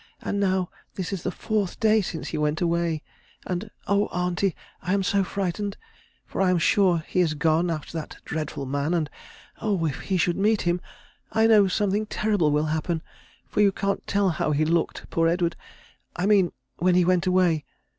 And now this is the fourth day since he went away, and, oh, auntie, I am so frightened, for I am sure he is gone after that dreadful man, and, oh, if he should meet him, I know something terrible will happen, for you can't tell how he looked, poor Edward, I mean, when he went away.